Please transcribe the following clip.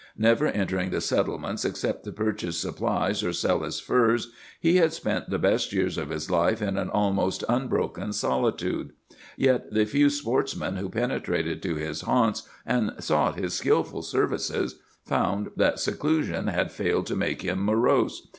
Never entering the settlements except to purchase supplies or sell his furs, he had spent the best years of his life in an almost unbroken solitude. Yet the few sportsmen who penetrated to his haunts and sought his skilful services found that seclusion had failed to make him morose.